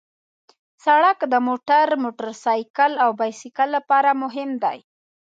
سړک د موټر، موټرسایکل او بایسکل لپاره مهم دی.